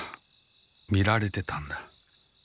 みられてたんだ。